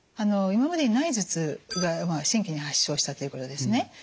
今までにない頭痛が新規に発症したということですね。